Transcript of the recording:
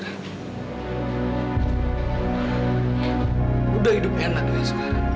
sudah hidup enak ya sekarang